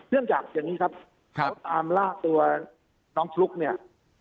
เรื่องจากอย่างนี้ครับเขาตามล่าตัวน้องฟลุ๊กเนี่ย